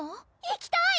行きたい！